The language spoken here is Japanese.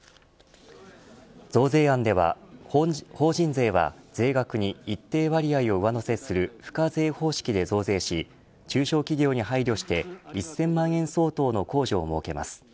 増税案では法人税は税額に一定割合を上乗せする付加税方式で増税し中小企業に配慮して１０００万円相当の控除を設けます。